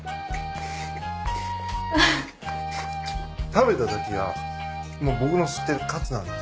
食べたときは僕の知ってるカツなんです。